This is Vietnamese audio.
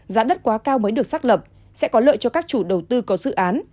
giá đất quá cao mới được xác lập sẽ có lợi cho các chủ đầu tư có dự án